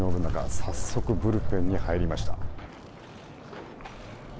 早速、ブルペンに入りました。